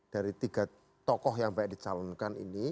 dari tiga tokoh yang baik di calonkan ini